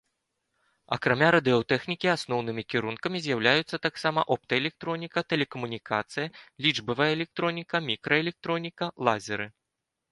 Акрамя радыётэхнікі асноўнымі кірункамі з'яўляюцца таксама оптаэлектроніка, тэлекамунікацыя, лічбавая электроніка, мікраэлектроніка, лазеры.